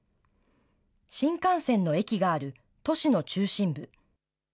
新幹線の駅がある都市の中心部。